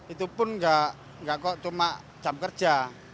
itu pun nggak kok cuma jam kerja